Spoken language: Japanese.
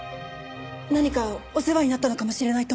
何かお世話になったのかもしれないと思って。